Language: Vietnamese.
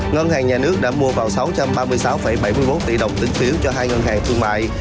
ngân hàng nhà nước đã mua vào sáu trăm ba mươi sáu bảy mươi một tỷ đồng tính phiếu cho hai ngân hàng thương mại